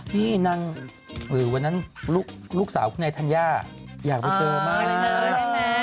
พี่นั่นคือวันนั้นลูกสาวคุณไอทันยาอยากไปเจอมาก